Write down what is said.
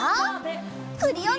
クリオネ！